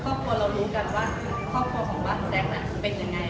ครอบครัวเรารู้กันว่าครอบครัวของบ้านคุณแจ๊คเป็นยังไง